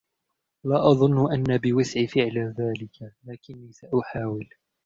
لا أظنّ أنّ بوسعي فعل ذلك، لكنّي سأحاول.